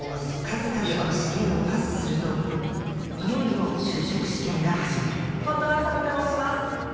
数々の試験をパスするといよいよ就職試験が始まる近藤麻美と申します。